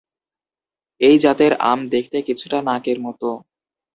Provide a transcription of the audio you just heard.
এই জাতের আম দেখতে কিছুটা নাকের মতো।